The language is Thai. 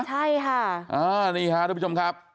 ใช่ค่ะนี่ค่ะทุกผู้ชมครับ